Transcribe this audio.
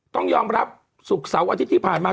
ต้องยอมรับศุกร์เสาร์อาทิตย์ที่ผ่านมา